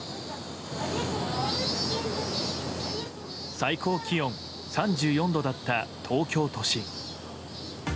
最高気温３４度だった東京都心。